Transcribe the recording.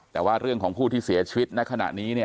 แต่ว่าเรื่องของผู้ที่เสียชีวิต